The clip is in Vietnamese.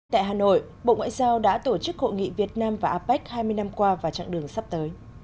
tại hà nội bộ ngoại giao đã tổ chức hội nghị việt nam và apec hai mươi năm qua và chặng đường sắp tới